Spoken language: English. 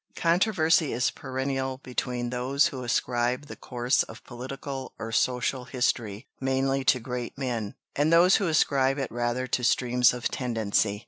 Controversy is perennial between those who ascribe the course of political or social history mainly to great men, and those who ascribe it rather to streams of tendency.